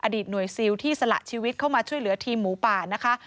หน่วยซิลที่สละชีวิตเข้ามาช่วยเหลือทีมหมูป่านะคะ